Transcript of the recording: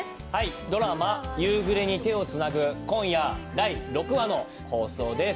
ドラマ「夕暮れに、手をつなぐ」、今夜第６話の放送です。